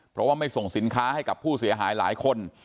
เพราะว่าไม่ส่งสินค้าให้กับผู้เสียหายหลายคน